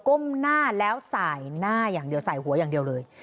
้มหน้าแล้วสายหน้าอย่างเดียวสายหัวอย่างเดียวเลย